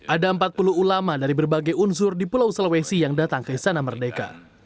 ada empat puluh ulama dari berbagai unsur di pulau sulawesi yang datang ke istana merdeka